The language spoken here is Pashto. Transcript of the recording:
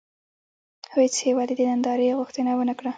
خو هېڅ هېواد یې د نندارې غوښتنه ونه کړه.